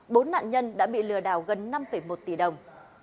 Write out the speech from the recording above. bốn nạn nhân đã bị lừa đảo gần năm một tỷ đồng